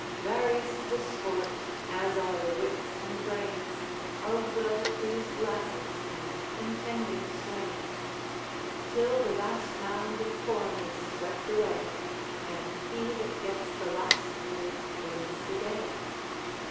Various the sport, as are the wits and brains Of well pleased lasses and contending swains; Till the vast mound of corn is swept away, And he that gets the last ear wins the day.